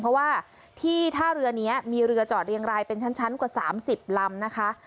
เพราะว่าที่ท่าเรือนี้มีเรือจอดเรียงรายเป็นชั้นกว่า๓๐ลำนะคะ